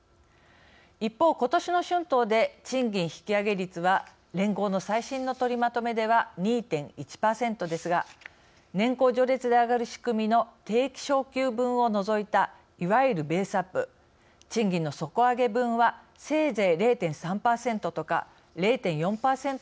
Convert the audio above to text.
一方ことしの春闘で賃金引き上げ率は連合の最新の取りまとめでは２．１％ですが年功序列で上がる仕組みの定期昇給分を除いたいわゆるベースアップ賃金の底上げ分はせいぜい０．３％とか０．４％程度とみられています。